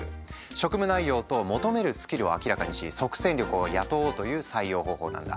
職務内容と求めるスキルを明らかにし即戦力を雇おうという採用方法なんだ。